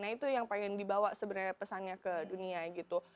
nah itu yang pengen dibawa sebenarnya pesannya ke dunia gitu